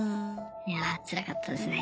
いやあつらかったですね。